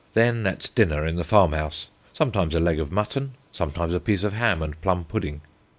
Then at dinner in the farm house; sometimes a leg of mutton, sometimes a piece of ham and plum pudding.